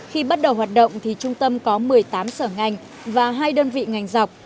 khi bắt đầu hoạt động thì trung tâm có một mươi tám sở ngành và hai đơn vị ngành dọc